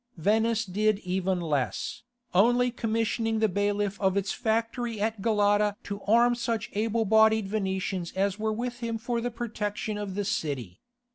Venice did even less, only commissioning the bailiff of its factory at Galata to arm such able bodied Venetians as were with him for the protection of the city.